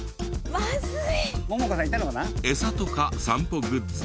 まずい！